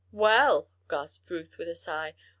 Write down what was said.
"Well!" gasped Ruth, with a sigh.